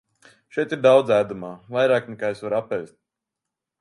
Šeit ir daudz ēdamā, vairāk nekā es varu apēst.